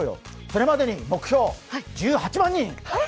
それまでに目標、１８万人。